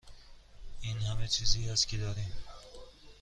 این همه چیزی است که داریم.